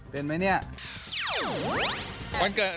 เป็นไหมเนี่ย